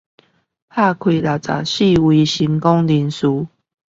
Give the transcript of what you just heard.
揭開六十四位成功人士